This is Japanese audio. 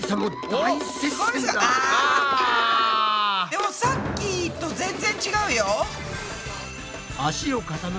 でもさっきと全然違うよ。